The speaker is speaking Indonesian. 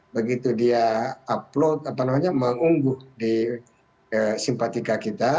begitu dia upload apa namanya mengungguh di simpatika kita